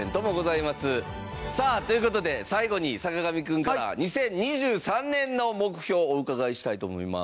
さあという事で最後に坂上くんから２０２３年の目標をお伺いしたいと思います。